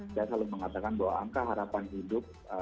saya selalu mengatakan bahwa angka harapan hidup